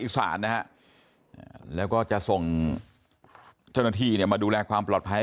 อีกศาลนะแล้วก็จะส่งเจ้าหน้าที่มาดูแลความปลอดภัย